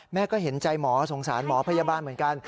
แม่ก็เห็นใจหมอสงสารหมอพยาบาลเหมือนกัน